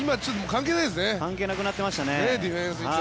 関係なくなっていましたね。